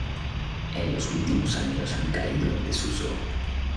En los últimos años han caído en desuso.